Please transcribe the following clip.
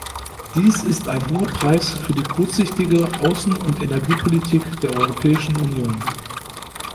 Dies ist ein hoher Preis für die kurzsichtige Außen- und Energiepolitik der Europäischen Union.